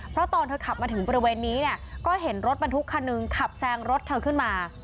เพราะตอนเธอขับมาถึงบริเวณนี้เนี่ยก็เห็นรถบรรทุกคันหนึ่งขับแซงรถเธอขึ้นมา